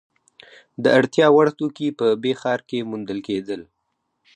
د اړتیا وړ توکي په ب ښار کې موندل کیدل.